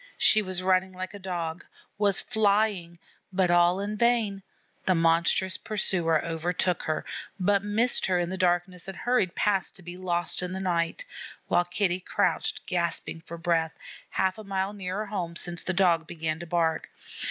She was running like a Dog, was flying, but all in vain; the monstrous pursuer overtook her, but missed her in the darkness, and hurried past to be lost in the night, while Kitty crouched gasping for breath, half a mile nearer home since that Dog began to bark.